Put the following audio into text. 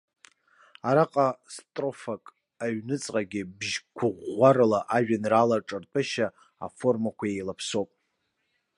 Араҟа строфак аҩнуҵҟагьы бжьықәрыӷәӷәарала ажәеинраалеиҿартәышьа аформақәа еилаԥсоуп.